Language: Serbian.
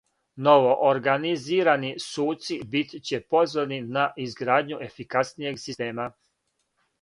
Новоорганизирани суци бит ће позвани на изградњу ефикаснијег система.